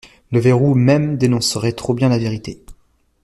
Le verrou même dénoncerait trop bien la vérité.